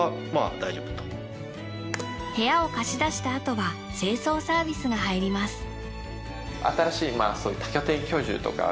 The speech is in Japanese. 部屋を貸し出したあとは清掃サービスが入ります。